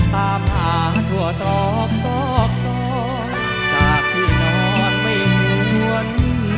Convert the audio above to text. ตามหาทั่วตรอกซอกซอกจากที่นอนไม่หวน